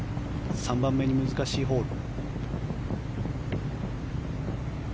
３番目に難しいホール。